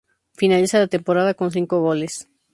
Finaliza la temporada con cinco goles.